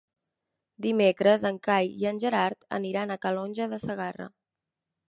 Dimecres en Cai i en Gerard aniran a Calonge de Segarra.